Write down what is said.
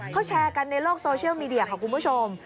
เขาแชร์กันในโลกโซเชียลมีเดียค่ะคุณผู้ชม